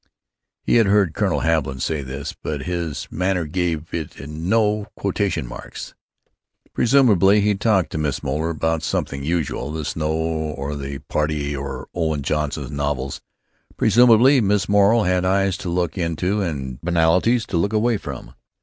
He had heard Colonel Haviland say that, but his manner gave it no quotation marks. Presumably he talked to Miss Moeller about something usual—the snow or the party or Owen Johnson's novels. Presumably Miss Moeller had eyes to look into and banalities to look away from.